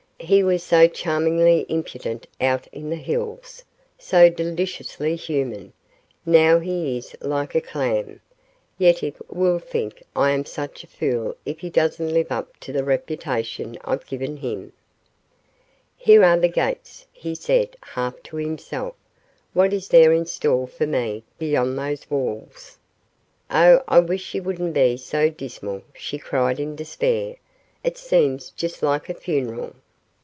"He was so charmingly impudent out in the hills, so deliciously human. Now he is like a clam. Yetive will think I am such a fool if he doesn't live up to the reputation I've given him!" "Here are the gates," he said, half to himself. "What is there in store for me beyond those walls?" "Oh, I wish you wouldn't be so dismal," she cried in despair. "It seems just like a funeral."